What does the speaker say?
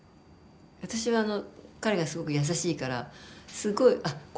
私はあの彼がすごく優しいからすっごいあっ